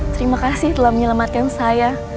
terima kasih telah menyelamatkan saya